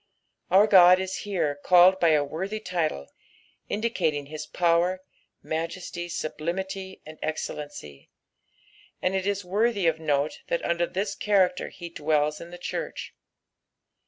Our God is here called by a worthy title, indicating his power, majesty, sublimity, and excellency ; and it is worthy of note that under this character lie dwells in the church.